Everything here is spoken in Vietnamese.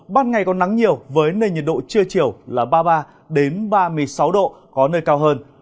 ban ngày có nắng nhiều với nền nhiệt độ trưa chiều là ba mươi ba ba mươi sáu độ có nơi cao hơn